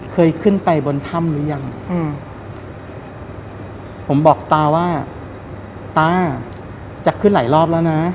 เคยขึ้นไปบนถ้ำหรือยังอืมผมบอกตาว่าตาจะขึ้นหลายรอบแล้วนะ